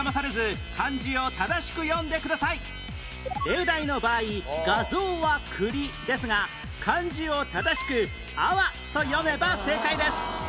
例題の場合画像は栗ですが漢字を正しく「あわ」と読めば正解です